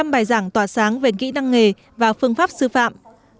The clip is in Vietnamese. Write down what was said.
một mươi năm bài giảng tỏa sáng về kỹ năng nghề và phương pháp sư phạm